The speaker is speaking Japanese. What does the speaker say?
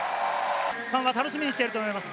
ファンは楽しみにしていると思います。